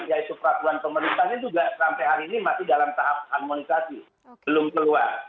yaitu peraturan pemerintahnya juga sampai hari ini masih dalam tahap harmonisasi belum keluar